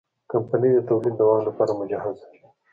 کمپنۍ د تولید دوام لپاره مجهزه ده.